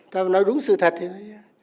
ta có nói đúng sự thật không